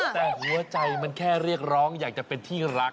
แต่หัวใจมันแค่เรียกร้องอยากจะเป็นที่รัก